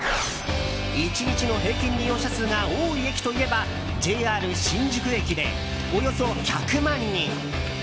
１日の平均利用者数が多い駅といえばＪＲ新宿駅でおよそ１００万人！